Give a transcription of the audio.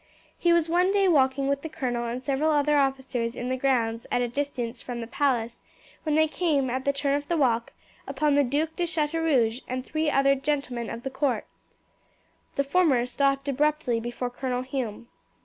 He was one day walking with the colonel and several other officers in the grounds at a distance from the palace, when they came, at the turn of the walk, upon the Duc de Chateaurouge and three other gentlemen of the court. The former stopped abruptly before Colonel Hume.